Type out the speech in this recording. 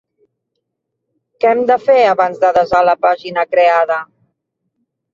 Què hem de fer abans de desar la pàgina creada?